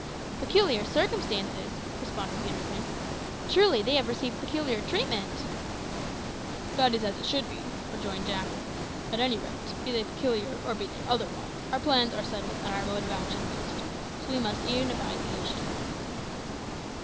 "Peculiar circumstances!" responded Peterkin. "Truly they have received peculiar treatment!" "That is as it should be," rejoined Jack; "at any rate, be they peculiar or be they otherwise, our plans are settled and our mode of action fixed, so we must e'en abide the issue."